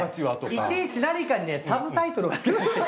いちいち何かにねサブタイトルがつけられてる。